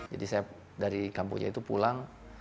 jadi saya dari kampungnya itu pulang